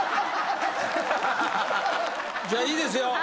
じゃあいいですよ。